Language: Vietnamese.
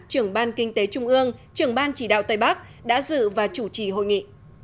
trưởng ban kinh tế trung ương trưởng ban chỉ đạo tây bắc đã dự và chủ trì hội nghị